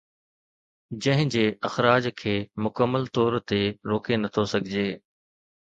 جنهن جي اخراج کي مڪمل طور تي روڪي نٿو سگهجي